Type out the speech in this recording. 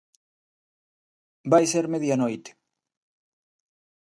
Vai ser media noite.